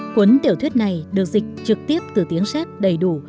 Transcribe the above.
cuốn tiểu thuyết này được dịch trực tiếp từ tiếng séc đầy đủ